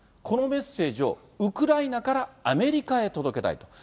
このメッセージをウクライナからアメリカへ届けたいと。